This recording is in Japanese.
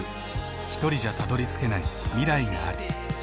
ひとりじゃたどりつけない未来がある。